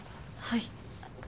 はい。